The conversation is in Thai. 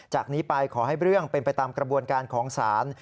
จากนี้ไปขอให้เรื่องเป็นไปตามกระบวนการของศาล